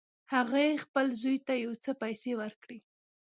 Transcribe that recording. هغې خپل زوی ته یو څه پیسې ورکړې